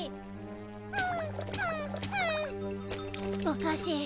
おかしい。